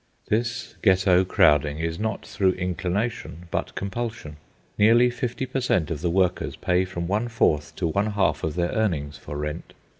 This Ghetto crowding is not through inclination, but compulsion. Nearly fifty per cent. of the workers pay from one fourth to one half of their earnings for rent.